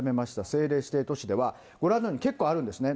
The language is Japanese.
政令指定都市ではご覧のように結構あるんですね。